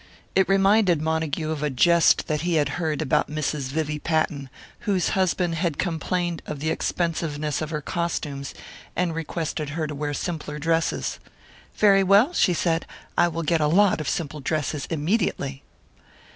It reminded Montague of a jest that he had heard about Mrs. Vivie Patton, whose husband had complained of the expensiveness of her costumes, and requested her to wear simpler dresses. "Very well," she said, "I will get a lot of simple dresses immediately."